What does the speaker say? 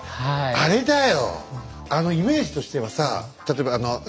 あれだよ